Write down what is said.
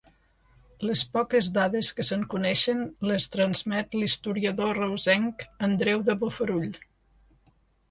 Les poques dades que se'n coneixen les transmet l'historiador reusenc Andreu de Bofarull.